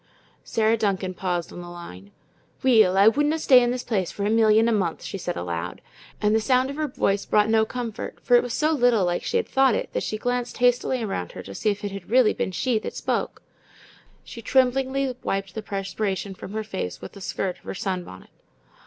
Sarah Duncan paused on the line. "Weel, I wouldna stay in this place for a million a month," she said aloud, and the sound of her voice brought no comfort, for it was so little like she had thought it that she glanced hastily around to see if it had really been she that spoke. She tremblingly wiped the perspiration from her face with the skirt of her sunbonnet.